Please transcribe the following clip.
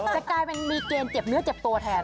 จะกลายเป็นมีเกณฑ์เจ็บเนื้อเจ็บตัวแทน